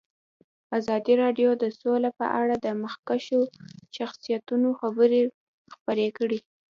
ازادي راډیو د سوله په اړه د مخکښو شخصیتونو خبرې خپرې کړي.